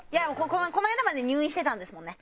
この間まで入院してたんですもんね。